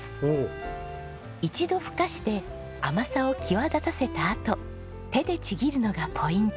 一度ふかして甘さを際立たせたあと手でちぎるのがポイント。